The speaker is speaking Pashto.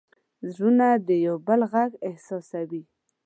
زړونه د یو بل غږ احساسوي.